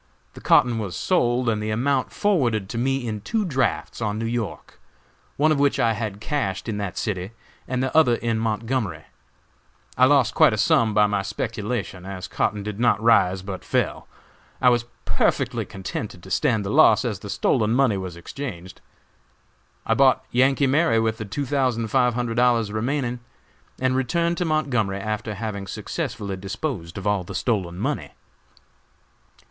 The cotton was sold and the amount forwarded to me in two drafts on New York, one of which I had cashed in that city, and the other in Montgomery. I lost quite a sum by my speculation, as cotton did not rise, but fell. I was perfectly contented to stand the loss, as the stolen money was exchanged. I bought "Yankee Mary" with the two thousand five hundred dollars remaining, and returned to Montgomery, after having successfully disposed of all the stolen money.